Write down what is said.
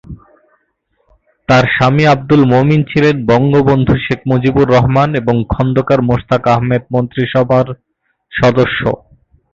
তার স্বামী আবদুল মোমিন ছিলেন বঙ্গবন্ধু শেখ মুজিবুর রহমান এবং খন্দকার মোশতাক আহমেদ মন্ত্রীসভার সদস্য।